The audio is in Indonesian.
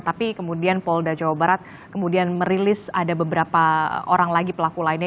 tapi kemudian polda jawa barat kemudian merilis ada beberapa orang lagi pelaku lainnya